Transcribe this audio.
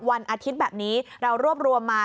วันอาทิตย์แบบนี้เรารวบรวมมา